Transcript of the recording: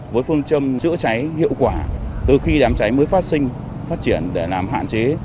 với phương châm chữa cháy hiệu quả từ khi đám cháy mới phát sinh phát triển để làm hạn chế